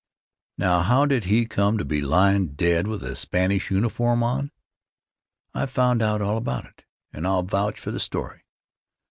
Now, how did he come to be lying dead with a Spanish uniform on? I found out all about it, and I'll vouch for the story.